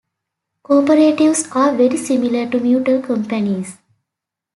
Cooperatives are very similar to mutual companies.